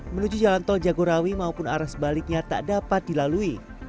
menuju jalan tol jagorawi maupun arah sebaliknya tak dapat dilalui